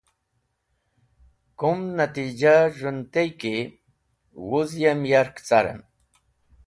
Kum natijah z̃hũn tey ki wuz yem yark carem.